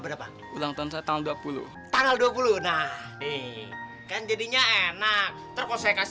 berapa ulang tahun saja tanggal dua puluh tanggal dua puluh nah hai kan jadinya enak terus saya kasih